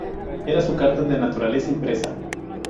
Era su carta de naturaleza impresa.